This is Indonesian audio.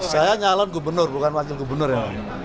saya nyalon gubernur bukan wakil gubernur ya